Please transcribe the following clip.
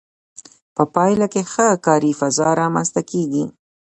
په پایله کې ښه کاري فضا رامنځته کیږي.